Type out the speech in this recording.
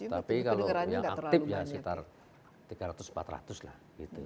tapi kalau yang aktif ya sekitar tiga ratus empat ratus lah gitu